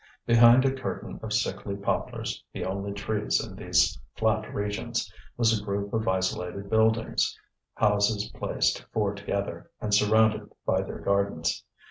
Behind a curtain of sickly poplars, the only trees in these flat regions, was a group of isolated buildings, houses placed four together, and surrounded by their gardens.